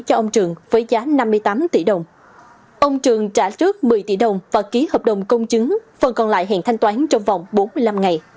ông trường trả trước một mươi tỷ đồng và ký hợp đồng công chứng phần còn lại hẹn thanh toán trong vòng bốn mươi năm ngày